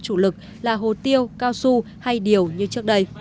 chủ lực là hồ tiêu cao su hay điều như trước đây